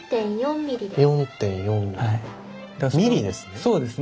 ミリですね。